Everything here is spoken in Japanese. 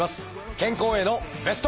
健康へのベスト。